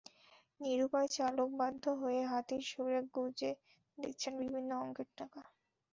নিরুপায় চালক বাধ্য হয়ে হাতির শুঁড়ে গুঁজে দিচ্ছেন বিভিন্ন অঙ্কের টাকা।